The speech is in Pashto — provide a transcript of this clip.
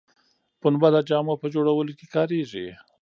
پنبه د جامو په جوړولو کې کاریږي